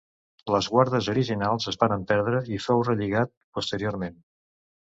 Les guardes originals es varen perdre i fou relligat posteriorment.